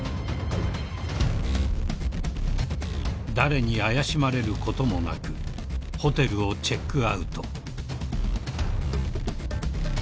［誰に怪しまれることもなくホテルをチェックアウト］